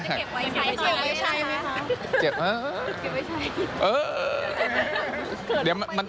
มันคิดว่าจะเก็บไว้ใช้ไหมมัน่อย